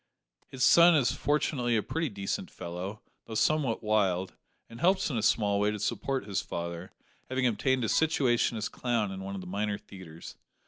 His son is fortunately a pretty decent fellow, though somewhat wild, and helps in a small way to support his father, having obtained a situation as clown at one of the minor theatres.